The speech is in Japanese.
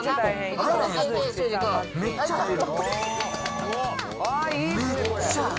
これ、めっちゃ入る。